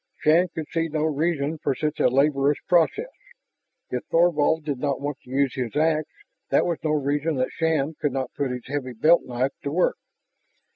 Shann could see no reason for such a laborious process. If Thorvald did not want to use his ax, that was no reason that Shann could not put his heavy belt knife to work.